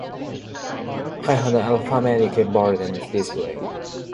It had an alphanumeric keyboard and display.